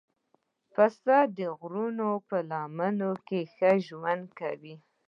پسه د غرونو په لمنو کې ښه ژوند کوي.